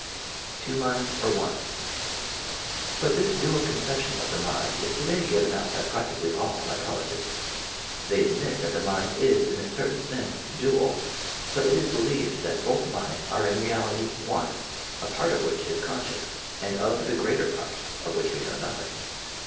TWO MINDS, OB ONE? But this dual conception of the mind is today given up by practically all psychologists. They admit that the mind is, in a certain sense, dual, but it is believed that both minds are in reality one, a part of which is conscious, and of the greater part of which we know nothing.